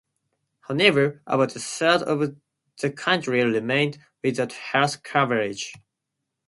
However, about a third of the country remained without health coverage.